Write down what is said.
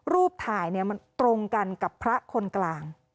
รูปถ่ายมันตรงกันกับพระคนกลาง